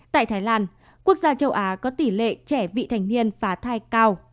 tại thái lan quốc gia châu á có tỷ lệ trẻ vị thành niên phá thai cao